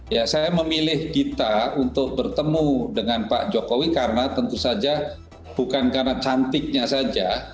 ya saya memilih dita untuk bertemu dengan pak jokowi karena tentu saja bukan karena cantiknya saja